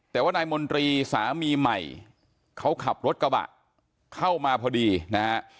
แต่ว่านายมนตรีสามีใหม่เขาขับรถกระบะเข้ามาพอดีนะฮะ